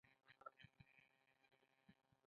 اميد د زړه هغه څراغ دي چې په تيارو کې رڼا کوي